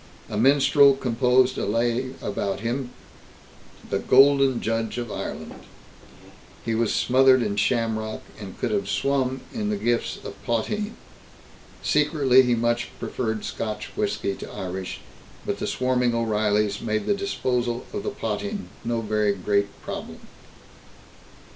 A minstrel composed a lay about him, "The Golden Judge of Ireland"; he was smothered in shamrock, and could have swum in the gifts of potheen. Secretly he much preferred Scotch whisky to Irish, but the swarming O'Reillys made the disposal of the potheen no very great problem.